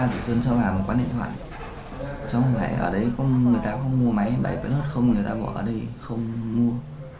cháu gọi đến một quán điện thoại cháu gọi ở đấy người ta có mua máy bảy v người ta gọi ở đây không mua